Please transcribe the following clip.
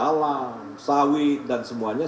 alam sawit dan semuanya